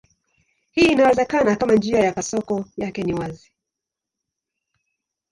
Hii inawezekana kama njia ya kasoko yake ni wazi.